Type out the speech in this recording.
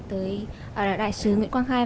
tới đại sứ nguyễn quang khai